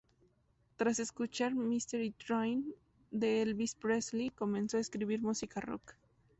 Tras escuchar "Mistery Train" de Elvis Presley comenzó a escribir música rock.